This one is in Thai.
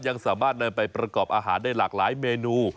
ยังสามารถเดินไปประกอบอาหารได้หลากหลายเมนู